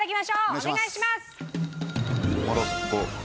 お願いします！